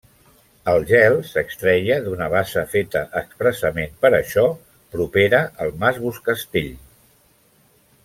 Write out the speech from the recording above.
El gel s'extreia d'una bassa feta expressament per això propera al Mas Buscastell.